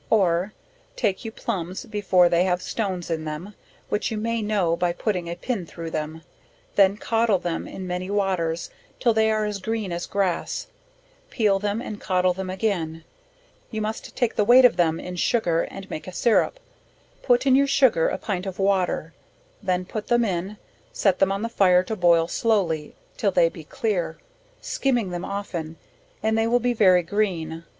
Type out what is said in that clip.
Or, take you plumbs before they have stones in them, which you may know by putting a pin through them, then codle them in many waters, till they are as green as grass; peel them and codle them again; you must take the weight of them in sugar and make a sirrup; put to your sugar a pint of water; then put them in, set them on the fire to boil slowly, till they be clear, skimming them often, and they will be very green.